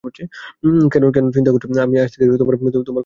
কেন চিন্তা করছো, আমি আজ থেকেই তোমার কবর কাজ শুরু করে দিবো।